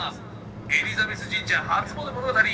エリザベス神社初詣物語。